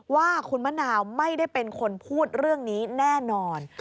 ว่าคุณมะนาวไม่ได้เป็นคนพูดเรื่องนี้แน่นอน